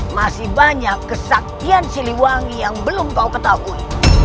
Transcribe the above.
masih banyak kesaktian siliwangi yang belum kau ketahui